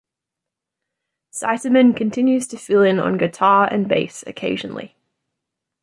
Citerman continues to fill in on guitar and bass occasionally.